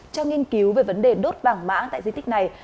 cho nghiên cứu về vấn đề đốt vàng mã tại di tích này